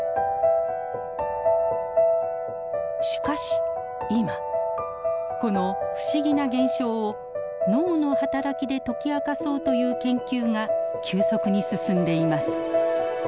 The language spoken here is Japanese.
しかし今この不思議な現象を脳の働きで解き明かそうという研究が急速に進んでいます。